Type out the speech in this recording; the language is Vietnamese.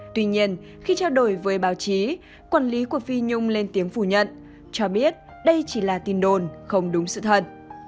tuy nhiên khi trao đổi với báo chí quản lý của phi nhung lên tiếng phủ nhận cho biết đây chỉ là tin đồn không đúng sự thật